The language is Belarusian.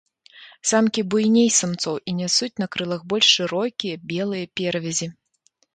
Самкі буйней самцоў і нясуць на крылах больш шырокія белыя перавязі.